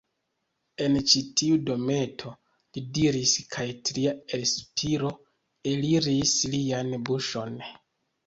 En ĉi tiu dometo, li diris, kaj tria elspiro eliris lian buŝon.